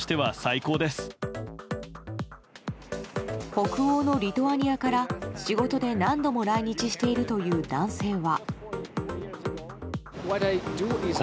北欧のリトアニアから仕事で何度も来日しているという男性は。